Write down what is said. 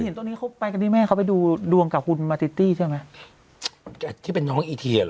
เห็นตอนนี้เขาไปกันที่แม่เขาไปดูดวงกับคุณมาติตี้ใช่ไหมที่เป็นน้องอีทีอ่ะเหรอ